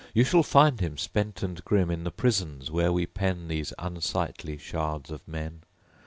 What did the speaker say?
You shall find him, spent and grim; In the prisons, where we pen These unsightly shards of men.